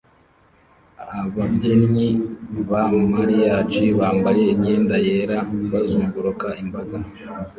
Ababyinnyi ba Mariachi bambaye imyenda yera bazunguruka imbaga